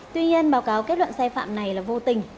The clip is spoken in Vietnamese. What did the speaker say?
tuy nhiên báo cáo kết luận sai phạm này là vô tình